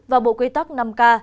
và bộ quy tắc năm k